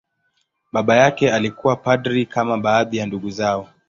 Baba yake alikuwa padri, kama baadhi ya ndugu zao.